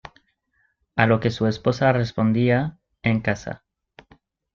A lo que su esposa respondía "En casa".